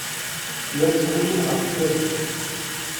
Llan ttɣimin ɣef yifadden.